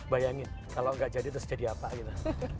bayangin kalau nggak jadi terus jadi apa gitu